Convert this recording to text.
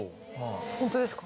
ホントですか？